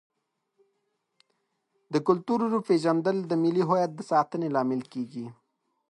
د کلتور پیژندل د ملي هویت د ساتنې لامل دی.